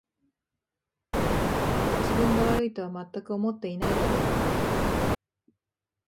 自分が悪いとはまったく思ってないだろう